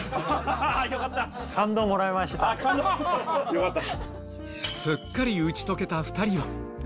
よかった！